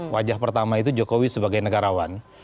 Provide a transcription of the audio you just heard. wajah pertama itu jokowi sebagai negarawan